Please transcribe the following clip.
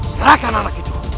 serahkan anak itu